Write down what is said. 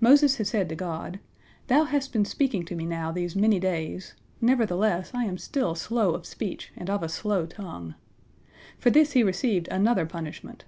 Moses had said to God, "Thou hast been speaking to me now these many days, nevertheless I am still slow of speech and of a slow tongue." For this he received another punishment.